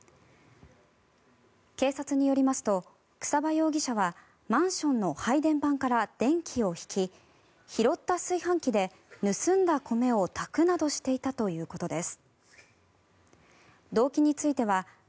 警察によりますと草場容疑者はマンションの配電盤から電気を引き拾った炊飯器で盗んだ米を炊くなどしていたということです。